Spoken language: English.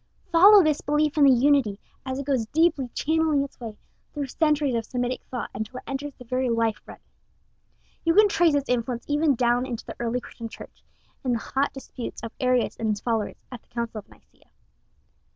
Follow this belief in the Unity, as it goes deeply channeling its way through centuries of Semitic thought, until it enters the very life blood. You can trace its influence even down into the early Christian Church, in the hot disputes of Arius and his followers, at the Council of Nicea.